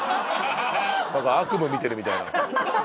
何か悪夢見てるみたいな。